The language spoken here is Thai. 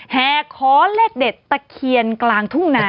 แห่ขอเลขเด็ดตะเคียนกลางทุ่งนา